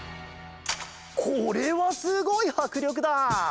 これはすごいはくりょくだ！